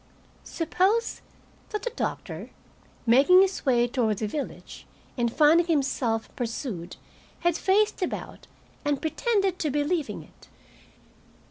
Suppose that the doctor, making his way toward the village and finding himself pursued, had faced about and pretended to be leaving it?